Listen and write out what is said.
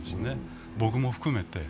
僕も含めて。